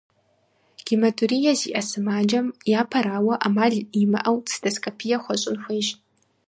Гематурие зиӏэ сымаджэм, япэрауэ, ӏэмал имыӏэу цистоскопие хуэщӏын хуейщ.